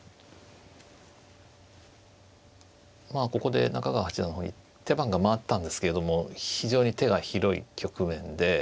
まあここで中川八段の方に手番が回ったんですけれども非常に手が広い局面で。